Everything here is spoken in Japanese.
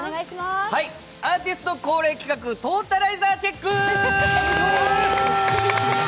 アーティスト恒例企画トータライザーチェック！